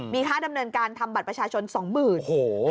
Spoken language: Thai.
มีค่าดำเนินการทำบัตรประชาชน๒๐๐๐บาท